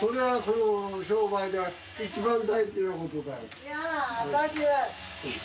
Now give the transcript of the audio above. いやぁ私は。